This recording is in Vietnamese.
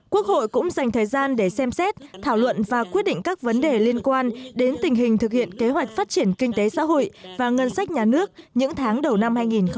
quốc hội cũng dành thời gian để xem xét thảo luận và quyết định các vấn đề liên quan đến tình hình thực hiện kế hoạch phát triển kinh tế xã hội và ngân sách nhà nước những tháng đầu năm hai nghìn một mươi chín